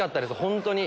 本当に。